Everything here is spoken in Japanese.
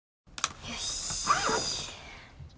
よし。